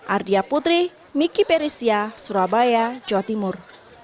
ardia putri miki perisia surabaya jawa timur